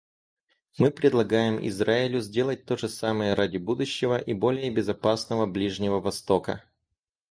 Мы предлагаем Израилю сделать то же самое ради будущего и более безопасного Ближнего Востока.